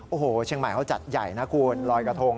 โอ้โหเชียงใหม่เขาจัดใหญ่นะคุณลอยกระทง